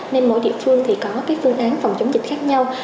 nên mỗi địa phương thì có cái phương án phòng chống dịch khác nhau